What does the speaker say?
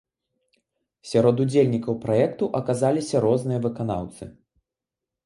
Сярод удзельнікаў праекту аказаліся розныя выканаўцы.